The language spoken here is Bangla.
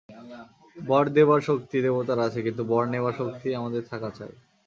বর দেবার শক্তি দেবতার আছে, কিন্তু বর নেবার শক্তি আমাদের থাকা চাই।